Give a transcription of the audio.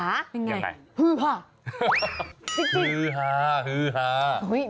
เป็นไงฮื้อฮ่าจริงฮื้อฮ่าฮื้อฮ่า